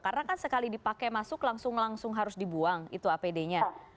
karena kan sekali dipakai masuk langsung langsung harus dibuang itu apd nya